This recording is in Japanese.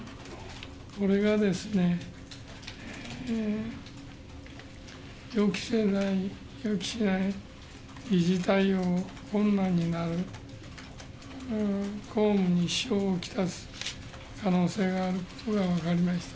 これがですね、予期しない議事対応が困難になる公務に支障を来す可能性があることが分かりました。